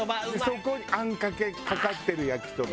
そこにあんかけかかってる焼きそば。